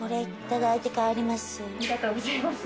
ありがとうございます。